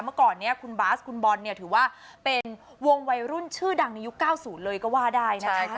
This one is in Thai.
เมื่อก่อนนี้คุณบาสคุณบอลเนี่ยถือว่าเป็นวงวัยรุ่นชื่อดังในยุค๙๐เลยก็ว่าได้นะคะ